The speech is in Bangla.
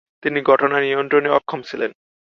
তিনি ঘটনা নিয়ন্ত্রণে অক্ষম ছিলেন।